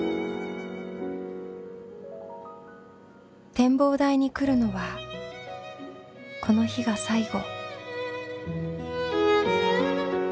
展望台に来るのはこの日が最後。